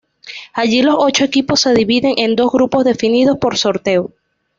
Allí los ocho equipos se dividen en dos grupos definidos por sorteo.